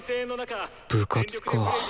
部活か。